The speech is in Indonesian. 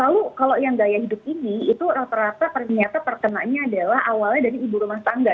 lalu kalau yang gaya hidup ini itu rata rata ternyata terkenanya adalah awalnya dari ibu rumah tangga